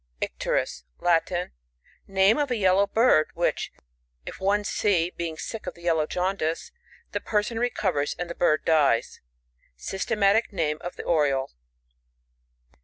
Icterus. — Latin. (Nameof a yellow bird, which, if one see, being sick of the yellow jaundice, the person recovers, and the bird dies.) Sys« tematic name of the Oriole.